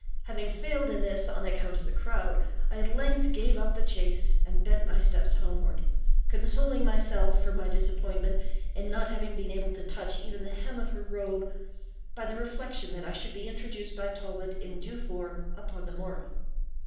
Having failed in this, on account of the crowd, I at length gave up the chase, and bent my steps homeward; consoling myself for my disappointment in not having been able to touch even the hem of her robe, by the reflection that I should be introduced by Talbot, in due form, upon the morrow.